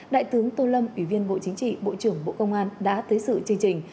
đại tướng tô lâm ủy viên bộ chính trị bộ trưởng bộ công an đã tới sự chương trình